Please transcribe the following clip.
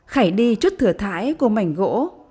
khải đi chút thử thái của mảnh gỗ